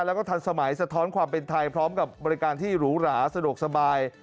แล้วก็ทันสมัยสะท้อนความเป็นไทยพร้อมกับบริการที่หรูหราสะดวกสบาย